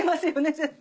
絶対。